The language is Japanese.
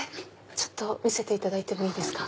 見せていただいてもいいですか？